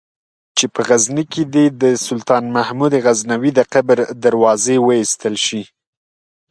چې په غزني کې دې د سلطان محمود غزنوي د قبر دروازې وایستل شي.